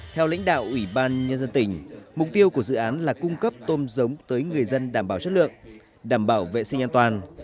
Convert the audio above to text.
theo lãnh đạo ủy ban nhân dân tỉnh mục tiêu của dự án là cung cấp tôm giống tới người dân đảm bảo chất lượng đảm bảo vệ sinh an toàn